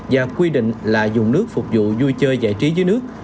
và quy định là dùng nước phục vụ vui chơi giải trí dưới nước